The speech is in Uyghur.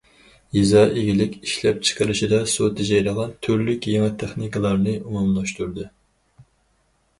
يېزا ئىگىلىك ئىشلەپچىقىرىشىدا سۇ تېجەيدىغان تۈرلۈك يېڭى تېخنىكىلارنى ئومۇملاشتۇردى.